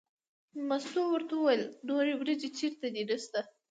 مستو ورته وویل نورې وریجې چېرته دي نشته.